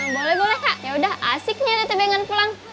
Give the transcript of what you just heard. boleh boleh kak yaudah asiknya di temengan pulang